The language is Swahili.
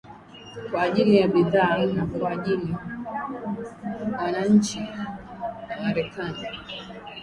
kwa ajili ya bidhaa na kwajili wananchi wa marekani